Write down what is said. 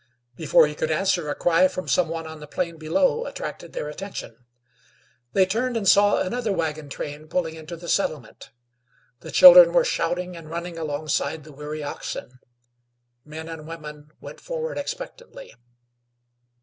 Before he could answer, a cry from some one on the plain below attracted their attention. They turned and saw another wagon train pulling into the settlement. The children were shooting and running alongside the weary oxen; men and women went forward expectantly.